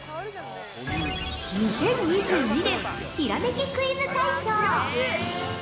「２０２２年ひらめきクイズ大賞！」